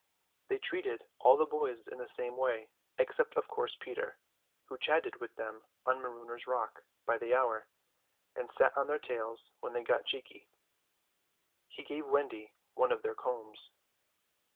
They treated all the boys in the same way, except of course Peter, who chatted with them on Marooners' Rock by the hour, and sat on their tails when they got cheeky. He gave Wendy one of their combs.